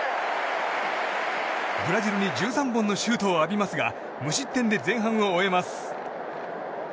ブラジルに１３本のシュートを浴びますが無失点で前半を終えます。